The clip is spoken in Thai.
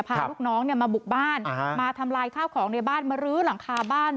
พาลูกน้องมาบุกบ้านมาทำลายข้าวของในบ้านมารื้อหลังคาบ้าน